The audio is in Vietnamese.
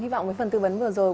hy vọng với phần tư vấn vừa rồi